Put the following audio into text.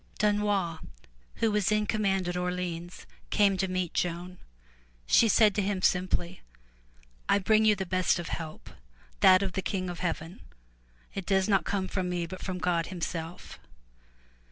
Dunois who was in command at Orleans, came to meet Joan. She said to him simply, " I bring you the best of help, that of the King of Heaven. It comes not from me but from God Himself.'